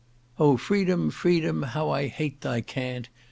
Oh! Freedom, Freedom, how I hate thy cant!